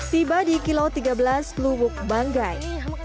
tiba di kilau tiga belas lubuk banggai